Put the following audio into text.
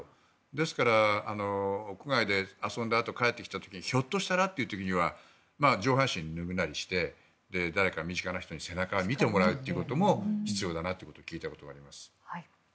ですから、屋外で遊んだあと帰ってきた時にひょっとしたらという時には上半身脱ぐなりして誰か身近な人に背中を見てもらうということも必要だなということを聞いたことがあります。